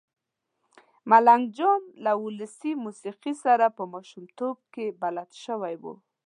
ملنګ جان له ولسي موسېقۍ سره په ماشومتوب کې بلد شوی و.